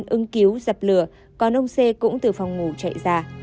ưng cứu dập lửa còn ông c cũng từ phòng ngủ chạy ra